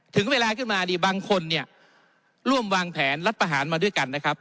ถึงเวลาขึ้นมานี่บางคนเนี่ยร่วมวางแผนรัฐประหารมาด้วยกันนะครับ